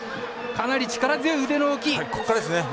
かなり力強い腕の動き。